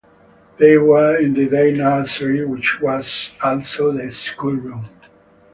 They were in the day nursery, which was also the schoolroom.